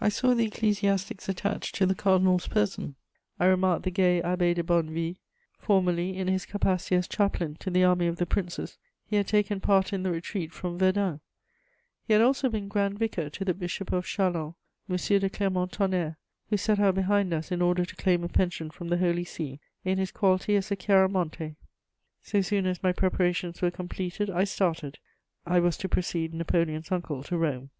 I saw the ecclesiastics attached to the cardinal's person; I remarked the gay Abbé de Bonnevie: formerly, in his capacity as chaplain to the Army of the Princes, he had taken part in the retreat from Verdun; he had also been grand vicar to the Bishop of Châlons, M. de Clermont Tonnerre, who set out behind us in order to claim a pension from the Holy See, in his quality as a "Chiaramonte." So soon as my preparations were completed I started: I was to precede Napoleon's uncle to Rome.